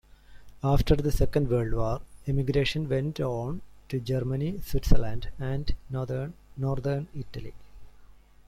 After the Second World War, emigration went on to Germany, Switzerland, and Northern Italy.